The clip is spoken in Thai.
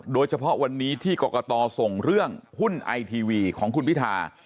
โดยเฉพาะวันนี้ที่กรกตส่งเรื่องหุ้นไอทีวีของคุณพิธา